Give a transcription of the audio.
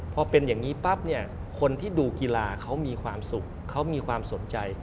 พอเป็นอย่างนี้ปั๊บเนี่ยคนที่ดูกีฬาเขามีความสุขเขามีความสนใจ